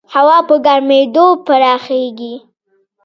هوا په ګرمېدو پراخېږي.